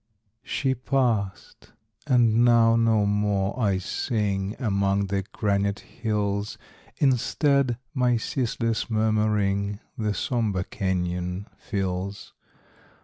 She passed, and now no more I sing Among the granite hills; Instead, my ceaseless murmuring The sombre canyon fills.